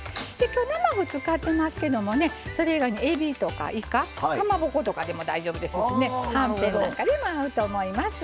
今日生麩使ってますけどもねそれ以外にえびとかいかかまぼことかでも大丈夫ですしはんぺんなんかでも合うと思います。